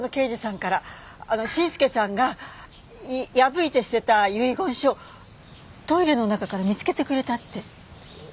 伸介さんが破いて捨てた遺言書をトイレの中から見つけてくれたって。